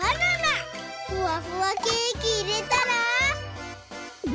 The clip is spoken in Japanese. ふわふわケーキいれたら。